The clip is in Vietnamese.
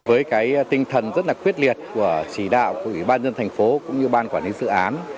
với cái tinh thần rất là quyết liệt của chỉ đạo của ủy ban dân thành phố cũng như ban quản lý dự án